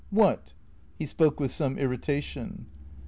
" What ?" He spoke with some irritation.